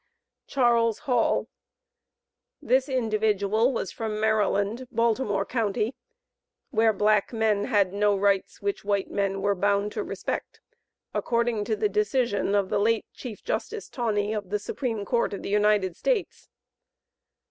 Charles Hall. This individual was from Maryland, Baltimore Co., where "black men had no rights which white men were bound to respect," according to the decision of the late Chief Justice Taney of the Supreme Court of the United States.